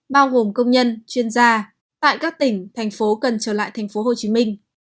bao gồm công nhân chuyên gia tại các tỉnh thành phố cần trở lại thành phố hồ chí minh